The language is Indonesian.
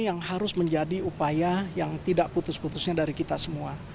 yang harus menjadi upaya yang tidak putus putusnya dari kita semua